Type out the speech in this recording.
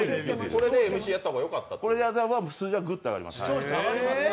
これでやったら数字がぐっと上がりました。